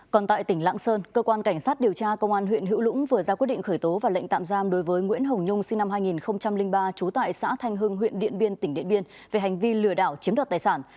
còn tại tỉnh lạng sơn cơ quan cảnh sát điều tra công an huyện hữu lũng vừa ra quyết định khởi tố và lệnh tạm giam đối với nguyễn hồng nhung sinh năm hai nghìn ba trú tại xã thanh hưng huyện điện biên tỉnh điện biên về hành vi lừa đảo chiếm đoạt tài sản